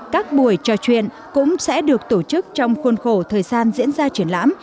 các buổi trò chuyện cũng sẽ được tổ chức trong khuôn khổ thời gian diễn ra triển lãm